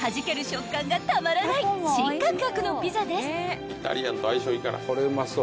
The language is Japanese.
食感がたまらない新感覚のピザです］